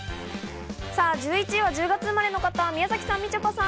１１位は１０月生まれの方、宮崎さん、みちょぱさん。